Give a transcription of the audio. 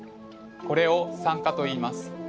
これを酸化といいます。